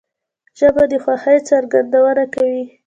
ژبه د خوښۍ څرګندونه کوي